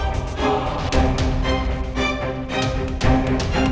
masih nieuw beisik ke news suku berapa hari bujang nini abang